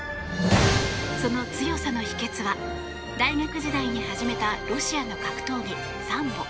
その強さの秘訣は大学時代に始めたロシアの格闘技サンボ。